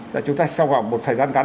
rồi chúng ta sau khoảng một thời gian gắn